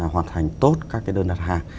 hoàn thành tốt các cái đơn đặt hàng